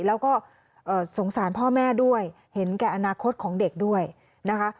แล้วก็สงสารพ่อแม่ด้วยเห็นแก่อนาคตของเด็กด้วยนะคะ